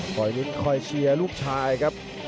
คอยลิ้นคอยเชียร์ลูกชายครับ